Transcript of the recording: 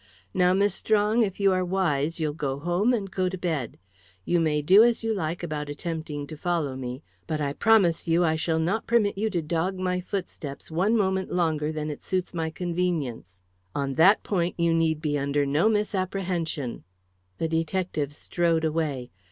"Now, Miss Strong, if you are wise, you'll go home and go to bed. You may do as you like about attempting to follow me, but I promise you, I shall not permit you to dog my footsteps one moment longer than it suits my convenience. On that point you need be under no misapprehension." The detective strode away.